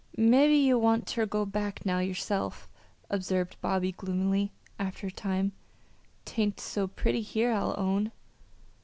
"Mebbe ye want ter go back now yerself," observed Bobby, gloomily, after a time. "'Tain't so pretty here, I'll own."